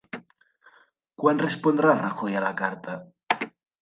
Quan respondrà Rajoy a la carta?